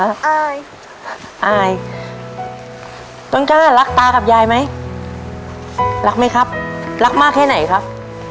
อายอายต้นกล้ารักตากับยายไหมรักไหมครับรักมากแค่ไหนครับ